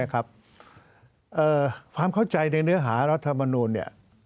ความเข้าใจในเนื้อหารัฐมนูล